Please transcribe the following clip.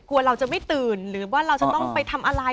กลัวเราจะไม่ตื่นหรือว่าเราจะต้องไปทำอะไร